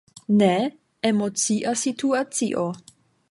Ne, emocia situacio!